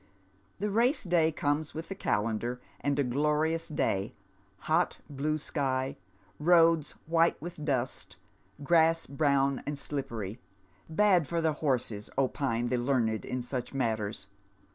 The race day comes with the calendar, and a glorious day, hot blue sky, roads white with dust, grass brown and slijjpery, bad for the horses, opine the learned in such matters.